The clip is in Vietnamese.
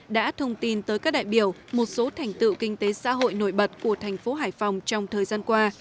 đã thông tin tới các đại biểu một số thành tựu kinh tế xã hội nổi bật của thành phố hải phòng trong thời gian qua